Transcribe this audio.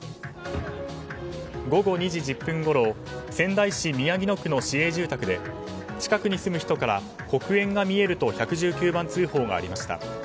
午後２時１０分ごろ仙台市宮城野区の市営住宅で近くに住む人から黒煙が見えると１１９番通報がありました。